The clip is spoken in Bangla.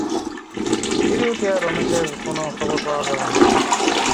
তীরে উঠিয়া রমেশের কোনো খবর পাওয়া গেল না।